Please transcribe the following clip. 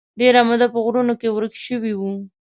ډېره موده په غرونو کې ورک شوی و.